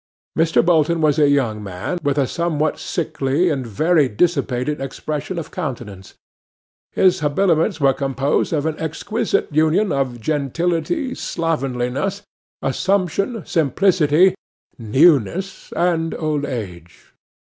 Mr. Bolton was a young man, with a somewhat sickly and very dissipated expression of countenance. His habiliments were composed of an exquisite union of gentility, slovenliness, assumption, simplicity, newness, and old age.